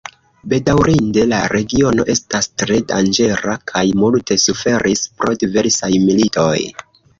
Bedaŭrinde la regiono estas tre danĝera kaj multe suferis pro diversaj militoj.